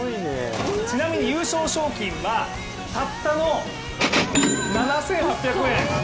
ちなみに優勝賞金はたったの７８００円。